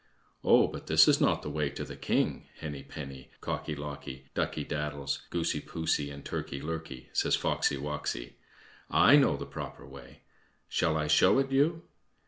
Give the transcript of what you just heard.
"Oh! but this is not the way to the king, Henny penny, Cocky locky, Ducky daddles, Goosey poosey, and Turkey lurkey," says Foxy woxy; "I know the proper way; shall I show it you?"